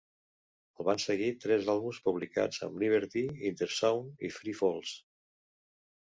Els van seguir tres àlbums publicats amb Liberty, Intersound i Free Falls.